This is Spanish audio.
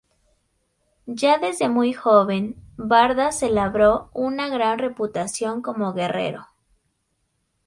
Ya desde muy joven, Bardas se labró una gran reputación como guerrero.